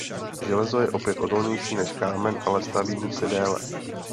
Železo je opět odolnější než kámen ale staví se déle.